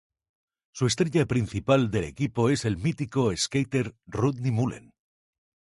Su estrella principal del equipo es el mítico skater Rodney Mullen.